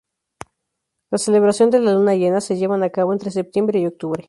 La celebración de la luna llena, se llevan a cabo entre septiembre y octubre.